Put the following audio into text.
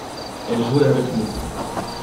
elle jouait avec nous.